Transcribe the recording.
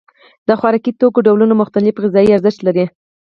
د خوراکي توکو ډولونه مختلف غذایي ارزښت لري.